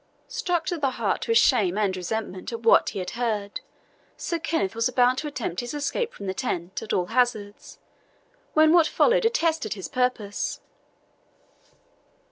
Struck to the heart with shame and resentment at what he had heard, Sir Kenneth was about to attempt his escape from the tent at all hazards, when what followed arrested his purpose.